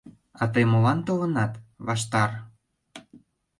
А тый молан толынат, Вашта-ар...